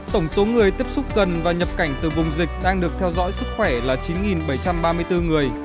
tổng số người tiếp xúc gần và nhập cảnh từ vùng dịch đang được theo dõi sức khỏe là chín bảy trăm ba mươi bốn người